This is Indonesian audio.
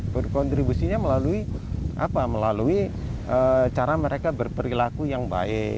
berkontribusinya melalui cara mereka berperilaku yang baik